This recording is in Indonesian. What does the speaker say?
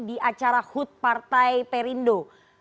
di acara hut partai perindo